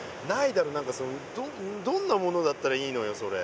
何かそのどんなものだったらいいのよそれ。